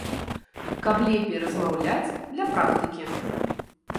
Каб лепей размаўляць, для практыкі!